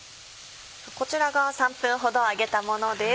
こちらが３分ほど揚げたものです。